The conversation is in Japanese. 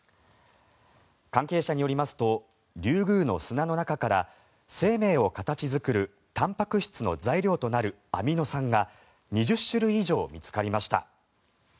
関係者によりますとリュウグウの砂の中から生命を形作るたんぱく質の材料となるアミノ酸が２０種類以上見つかりました。